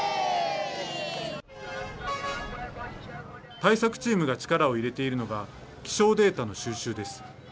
対策チームが力を入れているのが、気象データの収集です。